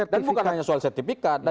dan bukan hanya soal sertifikat